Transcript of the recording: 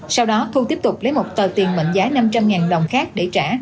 sau đó thu tiếp tục lấy một tờ tiền mệnh giá năm trăm linh đồng khác để trả